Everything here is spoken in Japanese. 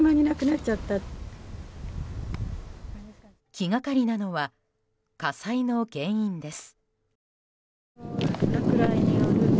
気がかりなのは火災の原因です。